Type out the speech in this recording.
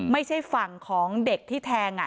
ไม่ใช่ฝั่งของเด็กที่แทง